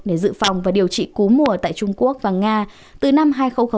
để dự phòng và điều trị cú mùa tại trung quốc và nga từ năm hai nghìn sáu